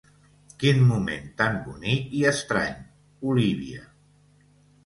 Quin moment tan bonic i estrany, Olívia.